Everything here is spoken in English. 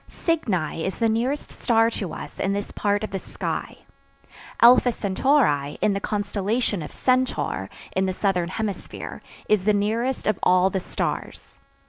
Cygni is the nearest star to us in this part of the sky. Alpha Centauri, in the constellation of Centaur, in the Southern Hemisphere, is the nearest of all the stars.